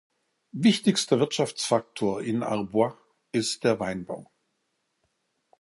Wichtigster Wirtschaftsfaktor in Arbois ist der Weinbau.